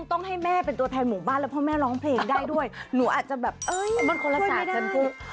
ต้องให้แม่เป็นตัวแทนหมู่บ้านแล้วพ่อแม่ร้องเพลงได้ด้วยหนูอาจจะแบบเอ้ยมันคนละสาดกันทุก